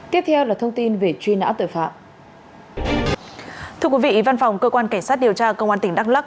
thưa quý vị văn phòng cơ quan cảnh sát điều tra công an tỉnh đắk lắc